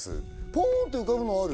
ポーンって浮かぶのある？